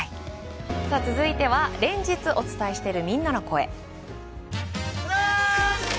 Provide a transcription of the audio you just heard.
続いては連日お伝えしているみんなの声。